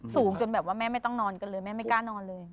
จนแบบว่าแม่ไม่ต้องนอนกันเลยแม่ไม่กล้านอนเลย